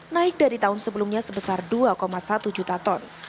naik dari tahun sebelumnya sebesar dua satu juta ton